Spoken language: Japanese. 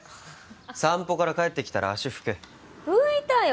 散歩から帰ってきたら足拭け拭いたよ